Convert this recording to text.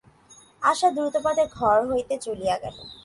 আশা দ্রুতপদে ঘর হইতে চলিয়া গেল।